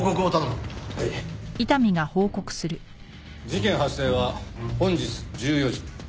事件発生は本日１４時。